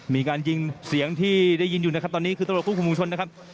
มีการยิงเสียงที่ได้ยินอยู่นะครับตอนนี้คือตำรวจคู่คุมวงชนนะครับ